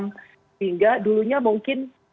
sehingga dulunya mungkin